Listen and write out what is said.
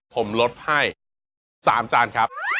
ผมลดให้๓จานครับ